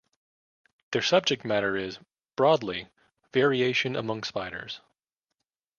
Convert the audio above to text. Their subject matter is, broadly, variation among spiders.